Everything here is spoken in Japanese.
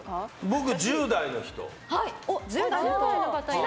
僕、１０代の人。